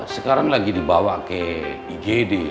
sekarang lagi dibawa ke igd